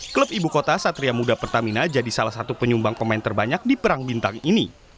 klub ibu kota satria muda pertamina jadi salah satu penyumbang pemain terbanyak di perang bintang ini